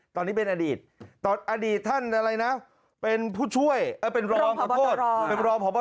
ตอนนี้เป็นอดีตอดีตท่านอะไรนะเป็นผู้ช่วยเป็นรองขอโทษเป็นรองพบ